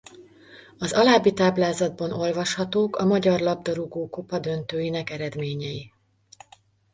Az alábbi táblázatban olvashatók a magyar labdarúgókupa döntőinek eredményei.